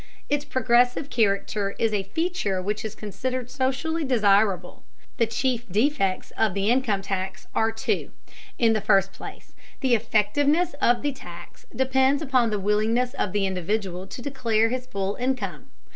Its progressive character is a feature which is considered socially desirable. The chief defects of the income tax are two. In the first place, the effectiveness of the tax depends upon the willingness of the individual to declare his full income.